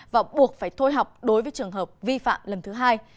và buộc phải thôi học đối với trường hợp vi phạm lần thứ hai